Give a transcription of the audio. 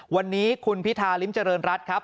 วันนี้คุณพิธาริมเจริญรัฐครับ